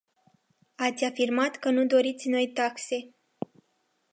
Ați afirmat că nu doriți noi taxe.